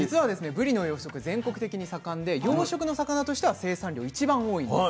ぶりの養殖全国的に盛んで養殖の魚としては生産量一番多いんです。